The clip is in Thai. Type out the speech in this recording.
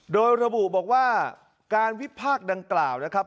โดยระบุบอกว่าการวิพากษ์ดังกล่าวนะครับ